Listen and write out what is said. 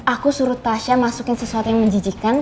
aku suruh tasha masukin sesuatu yang menjijikan